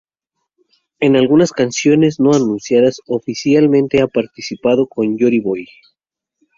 En algunas canciones no anunciadas oficialmente ha participado con Jory Boy.